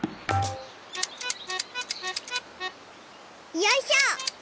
よいしょ！